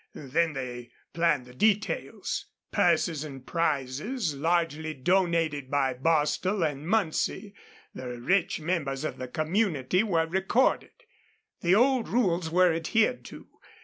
Then they planned the details. Purses and prizes, largely donated by Bostil and Muncie, the rich members of the community, were recorded. The old rules were adhered to.